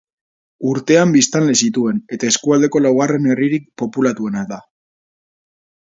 Urtean biztanle zituen, eta eskualdeko laugarren herririk populatuena da.